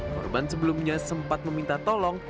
korban sebelumnya sempat meminta tolong